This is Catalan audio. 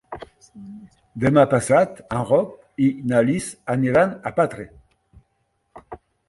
Demà passat en Roc i na Lis aniran a Petrer.